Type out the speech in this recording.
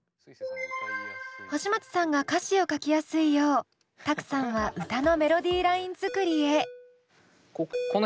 星街さんが歌詞を書きやすいようＴＡＫＵさんは歌のメロディーライン作りへ。